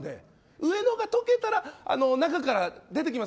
上のが溶けたら中から出てきます。